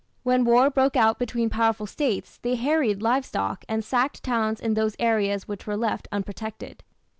When war broke out between powerful States they harried live stock and sacked towns in those areas which were left unprotected.